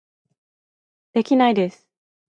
できないです